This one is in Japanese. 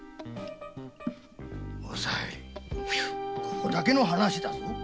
おさいここだけの話だぞ。